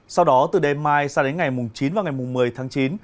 sau đó từ đêm mai sang đến ngày mùng chín và ngày một mươi tháng chín